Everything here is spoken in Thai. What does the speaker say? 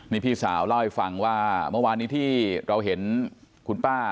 นี่พี่สาวเล่าให้ฟังว่าเมื่อวานนี้ที่เราเห็นคุณป้า